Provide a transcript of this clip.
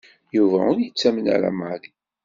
Yuba ur yettamen ara Mary.